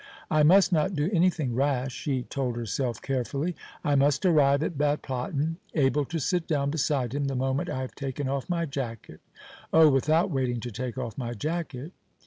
"I must not do anything rash," she told herself, carefully. "I must arrive at Bad Platten able to sit down beside him the moment I have taken off my jacket oh, without waiting to take off my jacket."